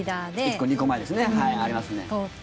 １個、２個前ですね。